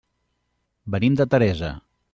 Venim de Teresa.